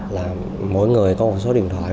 là mỗi người có một số điện thoại